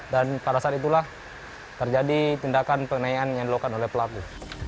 dan pada saat itulah terjadi tindakan penyayangan yang dilakukan oleh pelaku